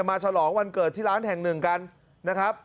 ฉลองวันเกิดที่ร้านแห่งหนึ่งกันนะครับ